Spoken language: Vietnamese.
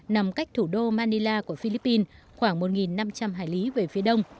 nằm cách thủ đô manila của philippines khoảng một năm trăm linh hải lý về phía đông